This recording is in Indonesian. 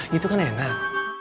gitu kan enak